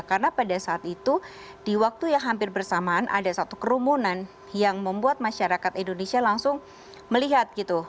karena pada saat itu di waktu yang hampir bersamaan ada satu kerumunan yang membuat masyarakat indonesia langsung melihat gitu